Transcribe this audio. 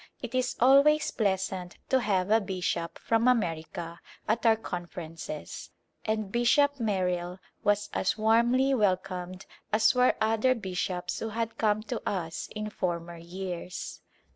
It is always pleasant to have a bishop from America at our Conferences and Bishop Merrill was as warmly welcomed as were other bishops who had come to us in former years.